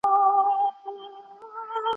تاسي ولي د سرلوړي لاره نه نیسئ؟